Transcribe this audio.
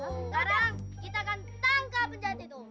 sekarang kita akan tangkap penjahat itu